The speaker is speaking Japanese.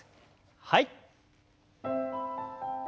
はい。